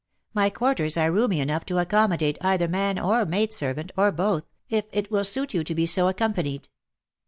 My quarters are roomy enough to accommodate either man or maid servant, or both, if it will suit you to be so accompanied.